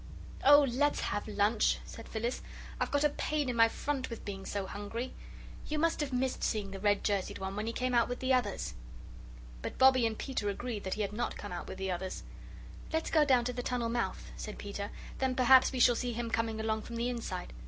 "Oh, let's have lunch," said Phyllis; "I've got a pain in my front with being so hungry. You must have missed seeing the red jerseyed one when he came out with the others " But Bobbie and Peter agreed that he had not come out with the others. "Let's get down to the tunnel mouth," said Peter; "then perhaps we shall see him coming along from the inside.